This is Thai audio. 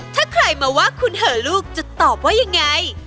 ถ้าใครมาว่าคุณเหอลูกจะตอบว่ายังไง